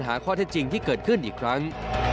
หาข้อเท็จจริงที่เกิดขึ้นอีกครั้ง